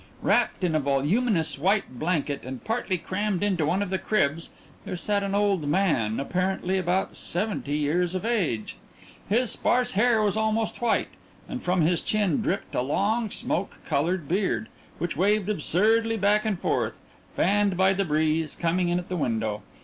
Wrapped in a voluminous white blanket, and partly crammed into one of the cribs, there sat an old man apparently about seventy years of age. His sparse hair was almost white, and from his chin dripped a long smoke coloured beard, which waved absurdly back and forth, fanned by the breeze coming in at the window.